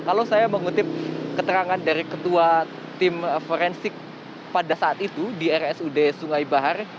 kalau saya mengutip keterangan dari ketua tim forensik pada saat itu di rsud sungai bahar